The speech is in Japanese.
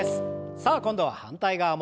さあ今度は反対側も。